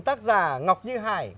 tác giả ngọc như hải